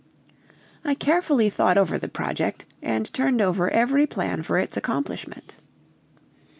I carefully thought over the project, and turned over every plan for its accomplishment.